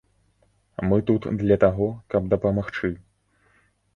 Мы тут для таго, каб дапамагчы.